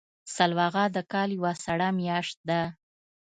سلواغه د کال یوه سړه میاشت ده.